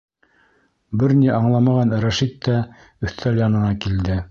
Бер ни аңламаған Рәшит тә өҫтәл янына килде.